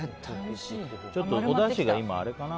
ちょっとおだしが今あれかな。